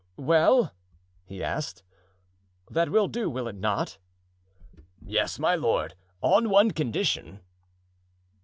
"Well," he asked, "that will do, will it not?" "Yes, my lord, on one condition."